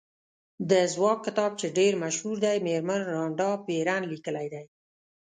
د ځواک کتاب چې ډېر مشهور دی مېرمن رانډا بېرن لیکلی دی.